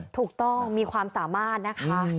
ถูกต้องมีความสามารถนะคะ